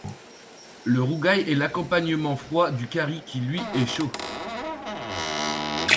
Le rougail est l'accompagnement froid du carry qui lui est chaud.